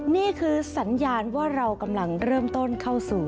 นี่คือสัญญาณว่าเรากำลังเริ่มต้นเข้าสู่